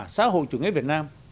xã hội chủ nghĩa việt nam